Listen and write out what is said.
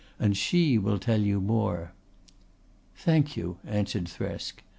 "And she will tell you more." "Thank you," answered Thresk.